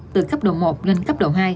từ cấp độ một lên cấp độ hai